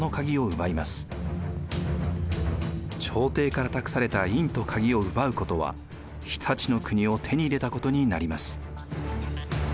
朝廷から託された印と鍵を奪うことは常陸の国を手に入れたことになります。